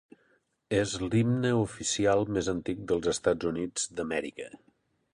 És l'himne oficial més antic dels Estats Units d'Amèrica.